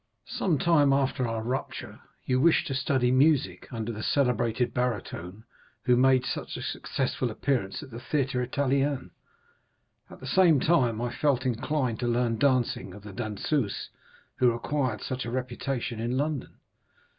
Some time after our rupture, you wished to study music, under the celebrated baritone who made such a successful appearance at the Théâtre Italien; at the same time I felt inclined to learn dancing of the danseuse who acquired such a reputation in London.